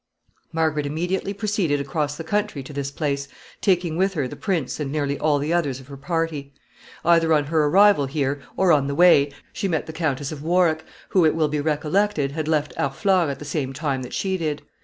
Margaret immediately proceeded across the country to this place, taking with her the prince and nearly all the others of her party. Either on her arrival here, or on the way, she met the Countess of Warwick, who, it will be recollected, had left Harfleur at the same time that she did.